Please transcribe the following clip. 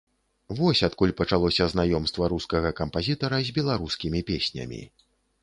Вось адкуль пачалося знаёмства рускага кампазітара з беларускімі песнямі.